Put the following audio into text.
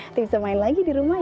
nanti bisa main lagi di rumah ya